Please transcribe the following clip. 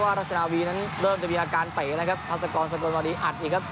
ว่ารัชนาวีนั้นเริ่มจะมีอาการเป๋นะครับพระศกรสกรรมวันนี้อัดอีกครับ